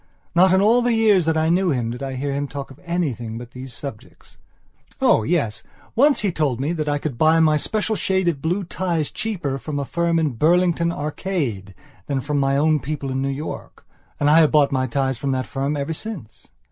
Not in all the years that I knew him did I hear him talk of anything but these subjects. Oh, yes, once he told me that I could buy my special shade of blue ties cheaper from a firm in Burlington Arcade than from my own people in New York. And I have bought my ties from that firm ever since.